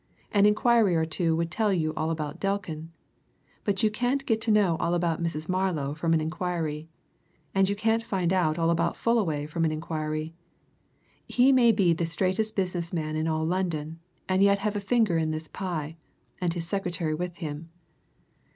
An inquiry or two would tell you all about Delkin. But you can't get to know all about Mrs. Marlow from any inquiry. And you can't find out all about Fullaway from any inquiry. He may be the straightest business man in all London and yet have a finger in this pie, and his secretary with him.